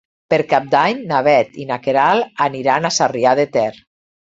Per Cap d'Any na Bet i na Queralt aniran a Sarrià de Ter.